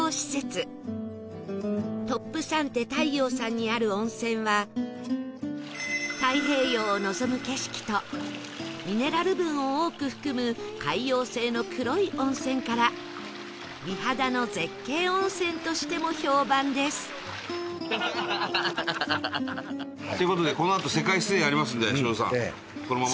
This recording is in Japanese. とっぷ・さんて大洋さんにある温泉は太平洋を望む景色とミネラル分を多く含む海洋性の黒い温泉から美肌の絶景温泉としても評判ですという事でこのあと世界水泳ありますんで修造さんこのままね。